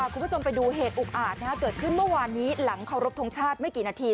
คุณผู้ชมไปดูเหตุอุกอาจเกิดขึ้นเมื่อวานนี้หลังเคารพทงชาติไม่กี่นาที